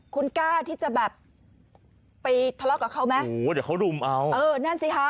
คุณกล้าที่จะแบบไปทะเลาะกับเขาไหมโอ้โหเดี๋ยวเขารุมเอาเออนั่นสิคะ